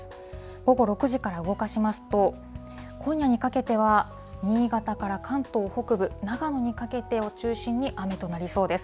午後６時から動かしますと、今夜にかけては、新潟から関東北部、長野にかけてを中心に雨となりそうです。